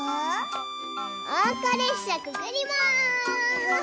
おうかれっしゃくぐります。